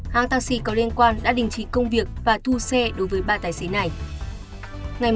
hãng taxi có liên quan đã đình chỉ công việc và thu xe đối với ba tài xế này